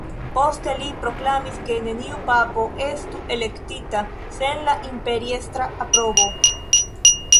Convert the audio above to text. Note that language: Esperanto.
Poste li proklamis ke neniu papo estu elektita sen la imperiestra aprobo.